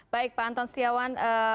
baik pak anton setiawan